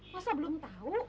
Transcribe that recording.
masa belum tahu